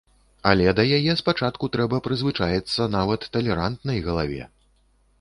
Але да яе спачатку трэба прызвычаіцца, нават талерантнай галаве.